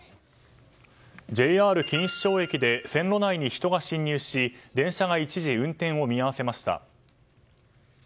ＪＲ錦糸町駅で線路内に人が侵入し電車が一時運転を見合わせました。